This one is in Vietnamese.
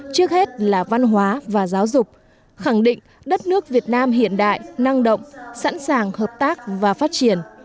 trước hết là văn hóa và giáo dục khẳng định đất nước việt nam hiện đại năng động sẵn sàng hợp tác và phát triển